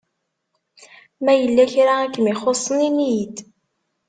Ma yella kra i kem-ixuṣsen ini-yi-d!